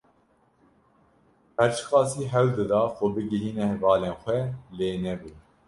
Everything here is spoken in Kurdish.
Her çi qasî hewl dida xwe bigihîne hevalên xwe lê nebû.